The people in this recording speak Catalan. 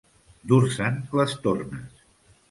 Dur-se'n les tornes.